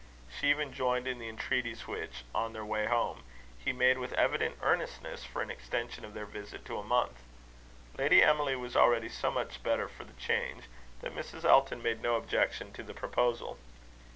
She even joined in the entreaties which, on their way home, he made with evident earnestness, for an extension of their visit to a month. Lady Emily was already so much better for the change, that Mrs. Elton made no objection to the proposal.